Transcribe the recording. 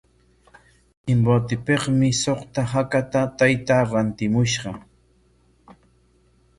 Chimbotepikmi suqta hakata taytaa rantimushqa.